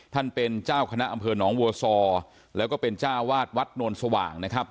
ท่านเป็นเจ้าคณะอำเภอหนองวัวซอแล้วก็เป็นจ้าวาดวัดนวลสว่างนะครับ